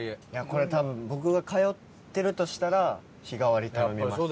これ多分僕が通ってるとしたら日替り頼みます。